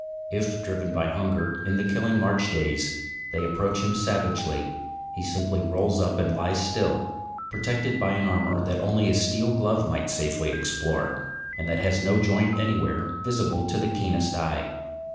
If, driven by hunger in the killing March days, they approach him savagely, he simply rolls up and lies still, protected by an armor that only a steel glove might safely explore, and that has no joint anywhere visible to the keenest eye.